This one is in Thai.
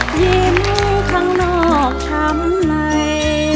ยิ้มข้างนอกทำไม